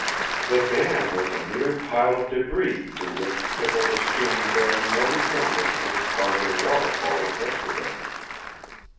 The dam was a mere pile of débris through which trickled a stream bearing no resemblance to the sparkling waterfall of yesterday.